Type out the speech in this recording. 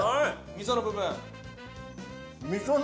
みその部分